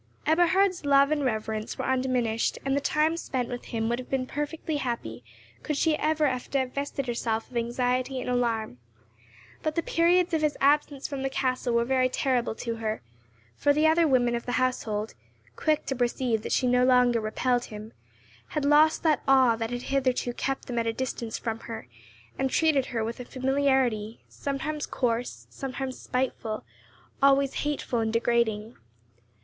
Eberhard's love and reverence were undiminished, and the time spent with him would have been perfectly happy could she ever have divested herself of anxiety and alarm; but the periods of his absence from the castle were very terrible to her, for the other women of the household, quick to perceive that she no longer repelled him, had lost that awe that had hitherto kept them at a distance from her, and treated her with a familiarity, sometimes coarse, sometimes spiteful, always hateful and degrading.